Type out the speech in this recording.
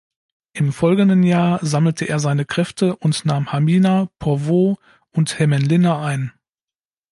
Im folgenden Jahr sammelte er seine Kräfte und nahm Hamina, Porvoo und Hämeenlinna ein.